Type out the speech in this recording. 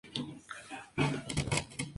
El álbum no logró buenas ventas.